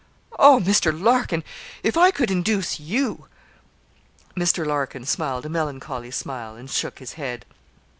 'Oh, Mr. Larkin, if I could induce you.' Mr. Larkin smiled a melancholy smile, and shook his head.